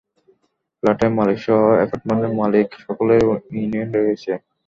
ফ্ল্যাটের মালিক সহ অ্যাপার্টমেন্টের মালিক সকলেরই ইউনিয়ন রয়েছে।